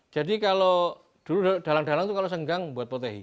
jadi kalau dulu dalam dalam itu kalau senggang buat potehi